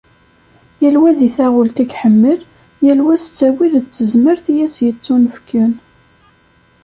Yal wa deg taɣult i iḥemmel, yal wa s ttawil d tezmert i as-yettunefken.